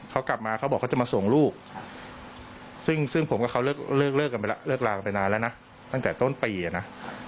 เขากลับมาเขาบอกเขาจะมาส่งลูกซึ่งผมกับเขาเลิกลากันไปนานแล้วนะตั้งแต่ต้นปีนะ